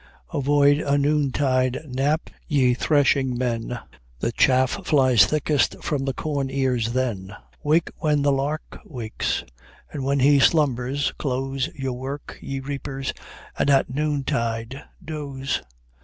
"Avoid a noon tide nap, ye threshing men: The chaff flies thickest from the corn ears then. "Wake when the lark wakes; when he slumbers close Your work, ye reapers: and at noontide doze.